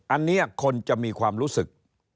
อันนี้คนจะมีความรู้สึก